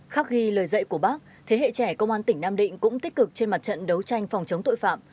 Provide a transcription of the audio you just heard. khắc ghi lời dạy của bác thế hệ trẻ công an tỉnh nam định cũng tích cực trên mặt trận đấu tranh phòng chống tội phạm